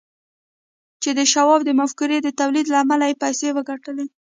چې د شواب د مفکورې د توليد له امله يې پيسې وګټلې.